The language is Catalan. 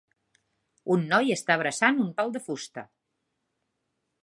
Un noi està abraçant un pal de fusta.